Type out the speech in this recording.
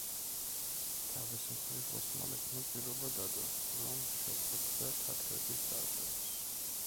თავის მხრივ ოსმალეთმა პირობა დადო, რომ შეწყვეტდა თათრების დარბევას.